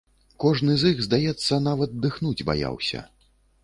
Кожны з іх, здаецца, нават дыхнуць баяўся.